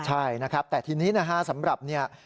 ใช่นะครับแต่ทีนี้นะฮะสำหรับเนี่ย